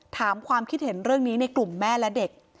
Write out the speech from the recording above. ถามความคิดเห็นเรื่องนี้ในกลุ่มแม่และเด็ก